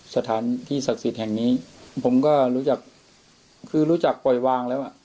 สถานที่ศักดิ์สิทธิ์แห่งนี้ผมก็รู้จักคือรู้จักปล่อยวางแล้วอ่ะ